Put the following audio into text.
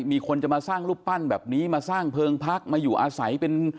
มีคนจะมาสร้างรูปปั้นแบบนี้มาสร้างเพลิงพักมาอยู่อาศัยเป็น